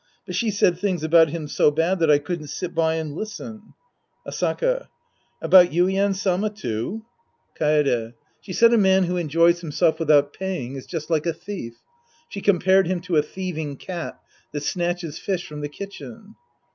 But she said things about him so bad that I couldn't sit by and listen. Asaka. About Yuien Sama, too ? 162 The Priest and His Disciples Act IV Kaede. She said a man who enjoys himself without paying is just like a thief. She compared him to a thieving cat that snatches fish from the kitchen.